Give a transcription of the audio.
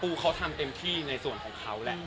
เขาทำเต็มที่ในส่วนของเขาแหละ